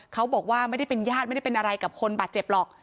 เขาบอกว่าไม่ได้เป็นญาติไม่ได้เป็นอะไรกับคนบาดเจ็บหรอก